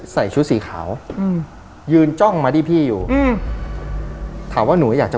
ใส่ชุดสีขาว